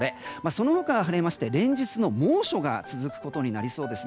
そのほかは晴れまして連日の猛暑が続くことになりそうです。